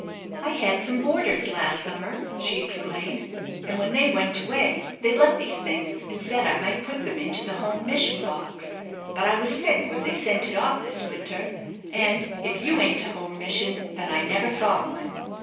"I had some boarders last summer," she explained, "and, when they went away, they left these things and said I might put them into the home mission box. But I was sick when they sent it off this winter; and, if you ain't a home mission, then I never saw one.